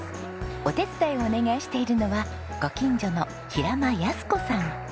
お手伝いをお願いしているのはご近所の平間康子さん。